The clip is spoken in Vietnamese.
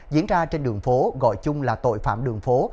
diễn ra trên đường phố gọi chung là tội phạm đường phố